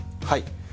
はい。